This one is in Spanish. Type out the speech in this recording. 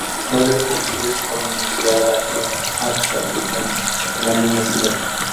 No debe confundirse con la Universidad de Ámsterdam, en la misma ciudad.